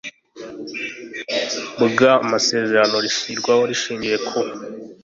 bw amasezerano rishyirwaho hashingiwe ku